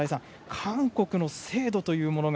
韓国の精度というものが。